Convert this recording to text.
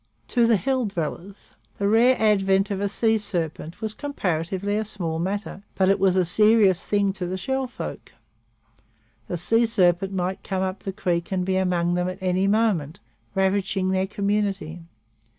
To the hill dwellers the rare advent of a sea serpent was comparatively a small matter, but it was a serious thing to the Shell folk. The sea serpent might come up the creek and be among them at any moment, ravaging their community.